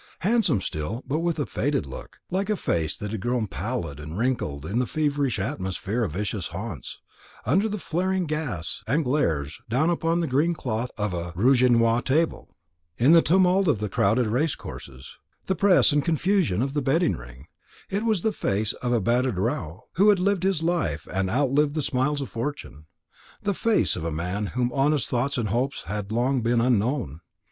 Handsome still, but with a faded look, like a face that had grown pallid and wrinkled in the feverish atmosphere of vicious haunts under the flaring gas that glares down upon the green cloth of a rouge et noir table, in the tumult of crowded race courses, the press and confusion of the betting ring it was the face of a battered roué, who had lived his life, and outlived the smiles of fortune; the face of a man to whom honest thoughts and hopes had long been unknown.